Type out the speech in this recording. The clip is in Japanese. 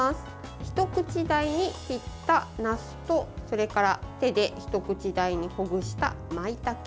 一口大に切ったなすと、それから手で一口大にほぐしたまいたけ。